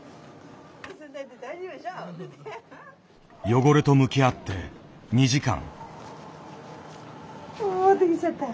汚れと向き合って２時間。